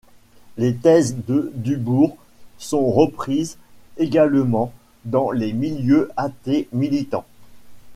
Les thèses de Dubourg sont reprises également dans les milieux athées militants.